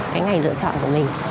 cái ngày lựa chọn của mình